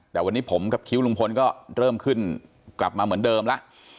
แต่วันนี้ผมกับคิ้วลุงพลก็เริ่มขึ้นกลับมาเหมือนเดิมแล้ว